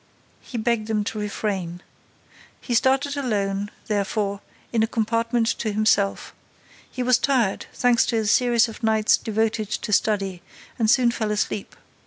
He begged them to refrain. He started alone, therefore, in a compartment to himself. He was tired, thanks to a series of nights devoted to study, and soon fell asleep.